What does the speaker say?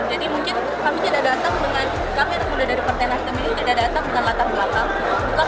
jadi mungkin kami tidak datang dengan kami yang termuda dari partai nasdem ini tidak datang dengan latar belakang